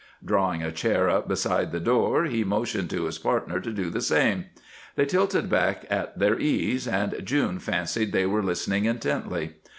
Drawing a chair up beside the door, he motioned to his partner to do the same. They tilted back at their ease, and June fancied they were listening intently.